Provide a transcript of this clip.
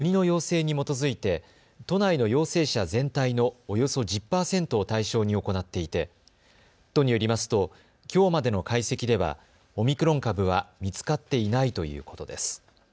遺伝子解析は国の要請に基づいて都内の陽性者全体のおよそ１０％を対象に行っていて都によりますときょうまでの解析ではオミクロン株は見つかっていないということです。